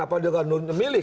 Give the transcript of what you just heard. atau dengan memilih